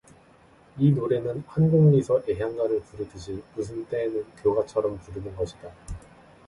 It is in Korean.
이 노래는 한곡리서 애향가를 부르듯이 무슨 때에는 교가처럼 부르는 것이다.